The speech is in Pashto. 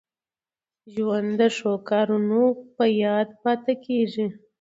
ژوند د ښو کارونو په یاد پاته کېږي.